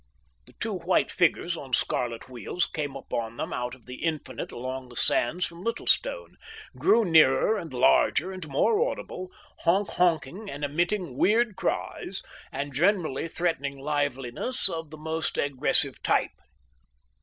The two white figures on scarlet wheels came upon them out of the infinite along the sands from Littlestone, grew nearer and larger and more audible, honk honking and emitting weird cries, and generally threatening liveliness of the most aggressive type.